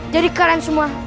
jadi kalian semua